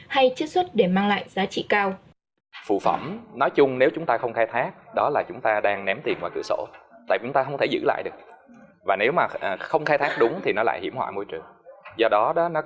hay chất xuất để mang lại giá trị cao